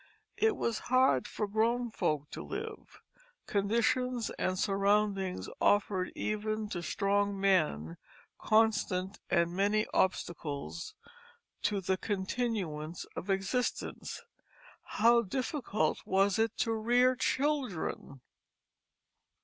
It was hard for grown folk to live; conditions and surroundings offered even to strong men constant and many obstacles to the continuance of existence; how difficult was it then to rear children!